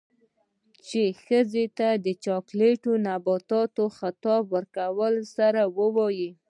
،چـې ښـځـو تـه د چـاکـليـت او نـبات خـطاب کـولـو سـره وويل.